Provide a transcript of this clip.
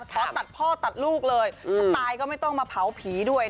พอตัดพ่อตัดลูกไปก็ไม่ต้องมาพาวผีด้วย